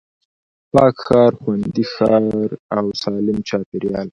پاک ښار، خوندي ښار او سالم چاپېريال